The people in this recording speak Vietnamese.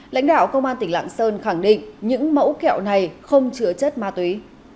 lãnh đạo công an tỉnh lạng sơn khẳng định những mẫu kẹo này không chứa chất ma túy